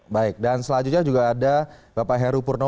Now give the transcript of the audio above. baik dan selanjutnya juga ada bapak heru purno